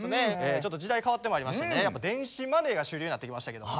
ちょっと時代変わってまいりましてねやっぱ電子マネーが主流になってきましたけどもね。